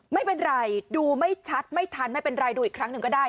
ไม่เป็นไรดูไม่ชัดไม่ทันไม่เป็นไรดูอีกครั้งหนึ่งก็ได้